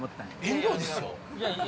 遠藤ですよ？